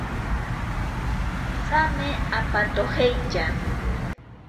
Tsame apatojeitya.